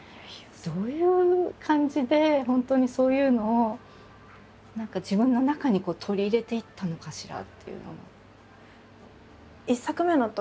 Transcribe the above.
どういう感じで本当にそういうのを何か自分の中に取り入れていったのかしらっていうのも。